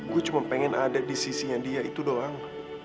gue cuma pengen ada di sisinya dia itu doang